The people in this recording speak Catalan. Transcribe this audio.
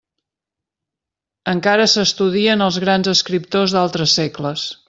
Encara s'estudien els grans escriptors d'altres segles.